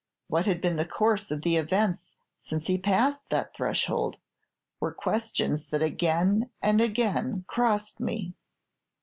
What had been the course of events since he passed that threshold? were questions that again and again crossed me.